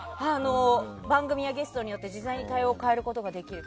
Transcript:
番組やゲストによって自在に対応を変えることができる。